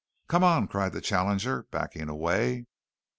"Come on!" cried the challenger, backing away.